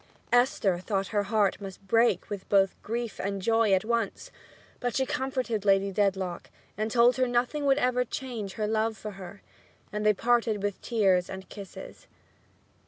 Esther thought her heart must break with both grief and joy at once. But she comforted Lady Dedlock, and told her nothing would ever change her love for her, and they parted with tears and kisses.